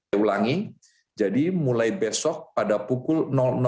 saya ulangi jadi mulai besok pada pukul